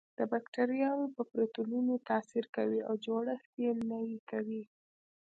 د باکتریاوو په پروتینونو تاثیر کوي او جوړښت یې نهي کوي.